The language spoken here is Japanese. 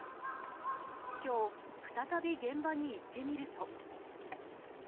きょう、再び現場に行ってみると。